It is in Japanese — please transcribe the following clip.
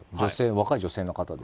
若い女性の方で。